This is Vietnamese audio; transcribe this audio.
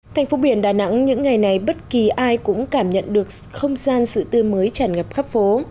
thành phố biển đà nẵng những ngày này bất kỳ ai cũng cảm nhận được không gian sự tư mới tràn ngập khắp phố